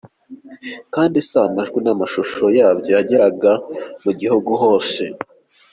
Kandi siko amajwi n’amashusho yabyo yageraga mu gihugu hose.